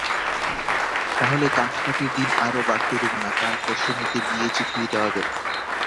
তাহলে কান্নাকাটির দিন আর বাড়তে দেব না– কাল-পরশুর মধ্যেই বিয়ে চুকিয়ে দেওয়া যাবে।